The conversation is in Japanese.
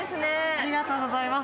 ありがとうございます。